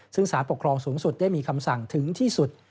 ซึ่งสารปกครองสูงสุดได้มีคำสั่งถึงที่สุด